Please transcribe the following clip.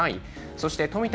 そして富田